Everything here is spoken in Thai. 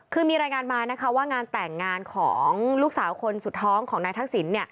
คือมีรายงานมานะคะว่างานแต่งงานของลูกสาวคนสุดท้องของนายทักษิณ